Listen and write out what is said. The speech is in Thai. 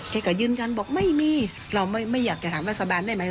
แกก็ยืนยันบอกไม่มีเราไม่อยากจะถามรัฐบาลได้ไหม